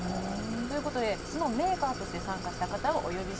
という事でそのメーカーとして参加した方をお呼びしました。